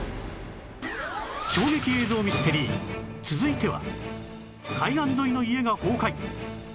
衝撃映像ミステリー続いては